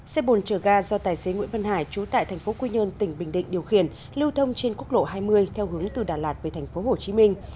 xe bồn chở ga do tài xế nguyễn văn hải trú tại thành phố quy nhơn tỉnh bình định điều khiển lưu thông trên quốc lộ hai mươi theo hướng từ đà lạt về thành phố hồ chí minh